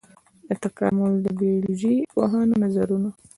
د تکامل د بيولوژي پوهانو نظرونه.